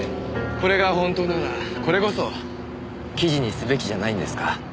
これが本当ならこれこそ記事にすべきじゃないんですか？